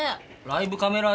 ライブカメラ